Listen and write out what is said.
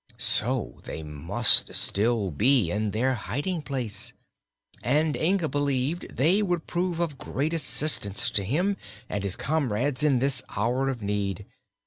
So they must still be in their hiding place, and Inga believed they would prove of great assistance to him and his comrades in this hour of need.